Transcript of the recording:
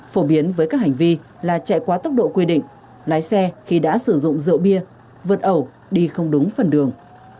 phổ biến với các hành vi là chạy quá tốc độ quy định lái xe khi đã sử dụng rượu bia vượt ẩu đi không đúng phần đường